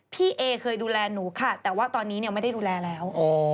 พี่เอเคยดูแลหนูค่ะแต่ว่าตอนนี้ไม่ได้ดูแลแล้ว